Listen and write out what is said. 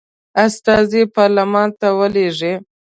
استازي پارلمان ته ولیږي.